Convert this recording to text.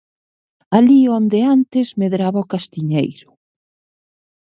Alí onde antes medraba o castiñeiro.